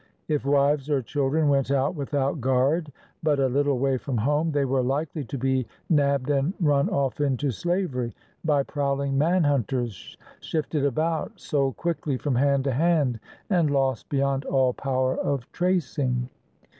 If wives or children went out without guard but a little way from home, they were Hkely to be nabbed and run off into slavery by prowling man hunters, shifted about, sold quickly from hand to hand, and lost beyond all power of tracing.